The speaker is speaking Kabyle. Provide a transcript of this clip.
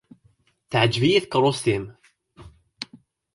Teεǧeb-iyi tkerrust-im.